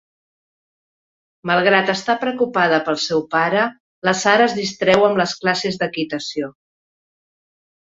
Malgrat estar preocupada pel seu pare, la Sara es distreu amb les classes d'equitació.